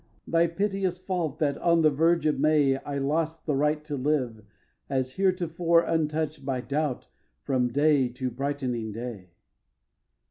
Thy piteous fault that, on the verge of May, I lost the right to live, as heretofore, Untouched by doubt from day to brightening day.